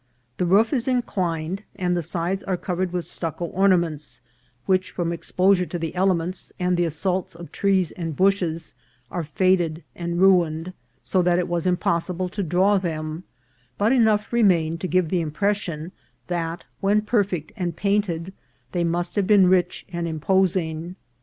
The roof is inclined, and the sides are covered with stucco orna ments, which, from exposure to the elements, and the assaults of trees and bushes, are faded and ruined, so that it was impossible to draw them ; but enough re mained to give the impression that, when perfect and painted, they must have been rich and imposing.